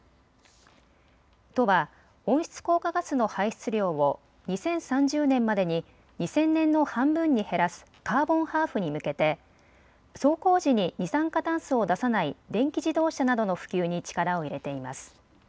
都は温室効果ガスの排出量を２０３０年までに２０００年の半分に減らすカーボンハーフに向けて走行時に二酸化炭素を出さない電気自動車などの普及に力を入れています。